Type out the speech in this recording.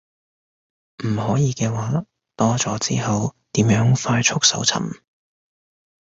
唔可以嘅話，多咗之後點樣快速搜尋